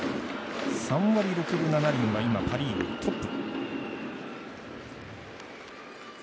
３割６分７厘は今、パ・リーグトップ。